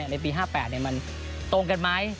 ในปี๕๘มันตรงกันไหม